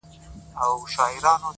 د زهرو تر جام تریخ دی زورور تر دوزخونو